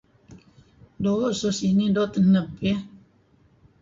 Doo' so sinih doo' teneb iih.